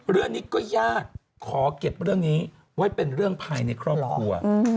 เรื่องนี้ก็ยากขอเก็บเรื่องนี้ไว้เป็นเรื่องภายในครอบครัว